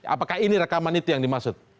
apakah ini rekaman itu yang dimaksud